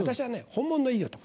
本物のいい男。